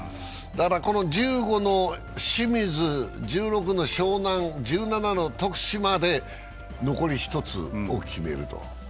この１５の清水、１６の湘南、１７の徳島で残り１つを決めると。